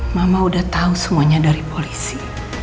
mama udah tahu semuanya dari polisi